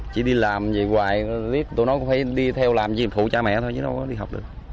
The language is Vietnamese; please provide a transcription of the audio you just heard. chỉ đi làm vậy hoài tụi nó cũng phải đi theo làm gì phụ cha mẹ thôi chứ đâu có đi học được